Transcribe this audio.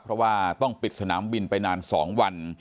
เพราะว่าต้องปิดสนามบินไปนาน๒วัน